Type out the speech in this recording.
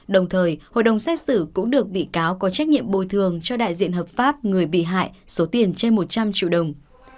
đồng thời hội đồng xét xử cũng được bị cáo có trách nhiệm bồi thường cho đại diện hợp pháp người bị hại số tiền trên một trăm linh triệu đồng